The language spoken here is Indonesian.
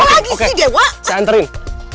apa lagi sih dewa saya anterin